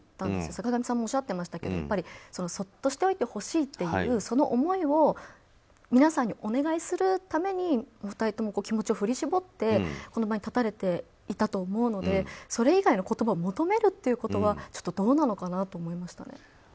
坂上さんもおっしゃってましたけどそっとしておいてほしいっていう思いを皆さんにお願いするためにお二人とも気持ちを振り絞ってこの場に立たれていたと思うのでそれ以外の言葉を求めるっていうことがどうなのかなと思いましたね。